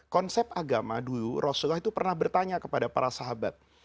konsep agama dulu rasulullah itu pernah bertanya kepada para sahabat